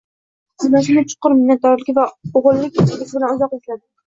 Onasini chuqur minnatdorlik va o`g`illik sevgisi bilan uzoq esladi